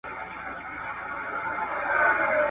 چي له مېړونو مېنه خالي سي !.